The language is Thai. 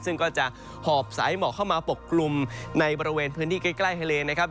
ซึ่งก็จะหอบสายหมอกเข้ามาปกกลุ่มในบริเวณพื้นที่ใกล้ทะเลนะครับ